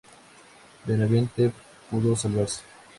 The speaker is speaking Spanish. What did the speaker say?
Benavente pudo salvarse.